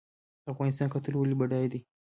د افغانستان کلتور ولې بډای دی؟